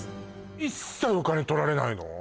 一切お金取られないの？